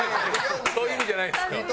「そういう意味じゃないですよ」